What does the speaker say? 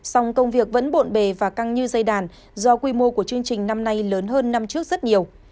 song công việc vẫn bộn bề và căng như dây đàn do quy mô của chương trình năm nay lớn hơn năm trước rất nhiều